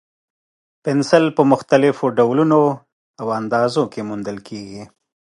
پنسل په مختلفو ډولونو او اندازو کې موندل کېږي.